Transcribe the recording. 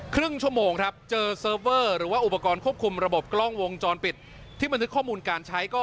ครึ่งชั่วโมงครับเจอเซิร์ฟเวอร์หรือว่าอุปกรณ์ควบคุมระบบกล้องวงจรปิดที่บันทึกข้อมูลการใช้ก็